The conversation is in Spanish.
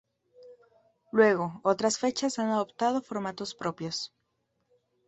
Luego, otras fechas han adoptado formatos propios.